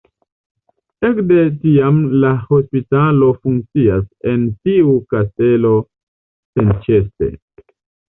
Ekde tiam la hospitalo funkcias en tiu kastelo senĉese.